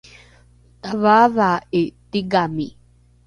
tava’avaa’i tigami